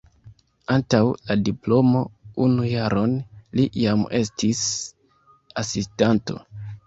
Antaŭ la diplomo unu jaron li jam estis asistanto.